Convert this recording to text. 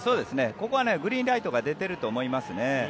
ここはグリーンライトが出ていると思いますね。